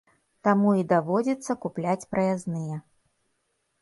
Таму і даводзіцца купляць праязныя.